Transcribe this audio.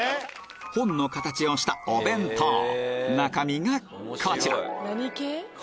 本の形をしたお弁当中身がこちら！